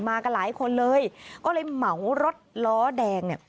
มากันหลายคนเลยก็เลยเหมารถล้อแดงเนี่ย